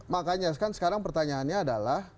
makanya sekarang pertanyaannya adalah